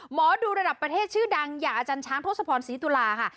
หมอดูระดับประเทศชื่อดังอย่างอาจารย์ช้างทศพรศรีตุลาค่ะ